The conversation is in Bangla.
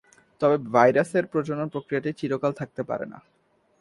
তবে ভাইরাসের প্রজনন প্রক্রিয়াটি চিরকাল চলতে থাকে না।